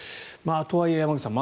とはいえ、山口さん